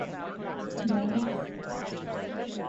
It is one of the few mobile phones able to send and receive fax.